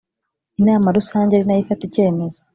Inama rusange ari nayo ifata icyemezo